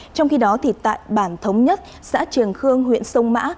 trong khi đó thì tại bản thống nhất xã trường khương huyện sông mã